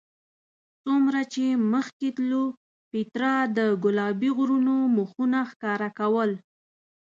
څومره چې مخکې تلو پیترا د ګلابي غرونو مخونه ښکاره کول.